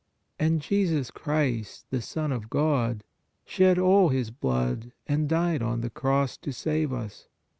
And Jesus Christ, the Son of God shed all His blood and died on the cross to save us.